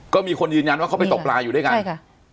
ก็มีคนยืนยันว่าเขาไปตบลาอยู่ด้วยกัน